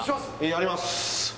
やります！